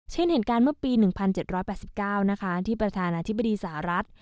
เช่นเหตุการณ์เมื่อปี๑๗๘๙นะคะที่ประธานาธิบดีสหรัฐ